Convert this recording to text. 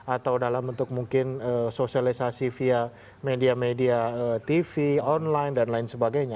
atau dalam bentuk mungkin sosialisasi via media media tv online dan lain sebagainya